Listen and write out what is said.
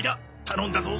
頼んだぞ。